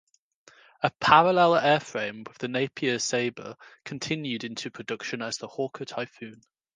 A parallel airframe with the Napier Sabre continued into production as the Hawker Typhoon.